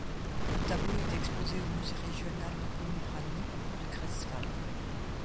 Le tableau est exposé au Musée régional de Poméranie de Greifswald.